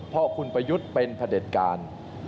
เพราะคุณประยุทธ์เป็นพระเด็จการ